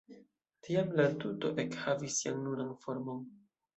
Tiam la tuto ekhavis sian nunan formon.